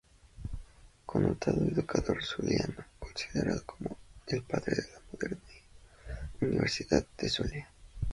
Connotado educador zuliano, considerado como el padre de la moderna Universidad del Zulia.